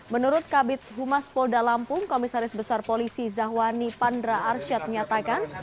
menurut kabit humas polda lampung komisaris besar polisi zahwani pandra arsyad menyatakan